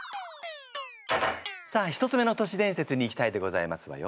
さあ１つ目の年伝説にいきたいでございますわよ。